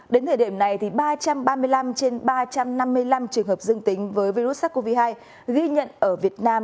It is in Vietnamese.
đến thời điểm này ba trăm ba mươi năm trên ba trăm năm mươi năm trường hợp dương tính với virus sars cov hai ghi nhận ở việt nam